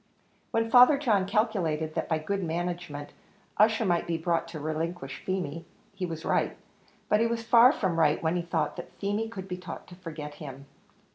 When Father John calculated that by good management Ussher might be brought to relinquish Feemy, he was right, but he was far from right, when he thought that Feemy could be taught to forget him.